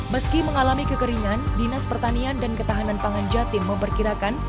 meski mengalami kekeringan dinas pertanian dan ketahanan pangan jatim memperkirakan